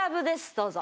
どうぞ。